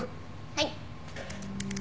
はい。